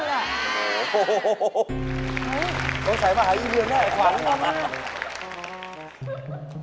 มอเตอร์ไซด์มหาวิทยุเดียแน่ความราช